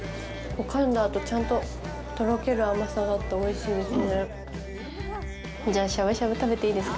かんだ後、ちゃんととろける甘さがあっておいしいです。